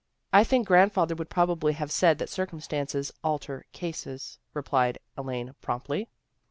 "" I think grandfather would probably have said that circumstances alter cases," replied Elaine promptly.